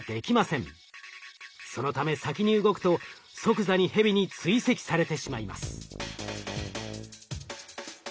そのため先に動くと即座にヘビに追跡されてしまいます。